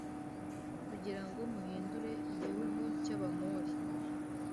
kugira ngo muhindūre igihugu cy’Abamori.